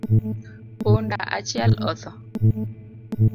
Punda achiel otho